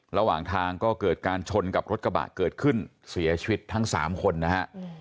ระหว่างทางก็เกิดการชนกับรถกระบะเกิดขึ้นเสียชีวิตทั้งสามคนนะฮะ